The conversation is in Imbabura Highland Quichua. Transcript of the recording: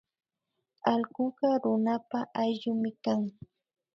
Allkuka runapa ayllumi kan